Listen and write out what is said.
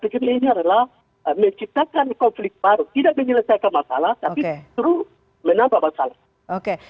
tidak menyelesaikan masalah tapi terus menambah masalah